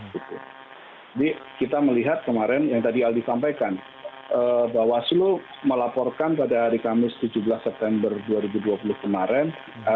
jadi kita melihat kemarin yang tadi aldi sampaikan bahwa selul melaporkan pada hari kamis tujuh belas september dua ribu dua puluh kemarin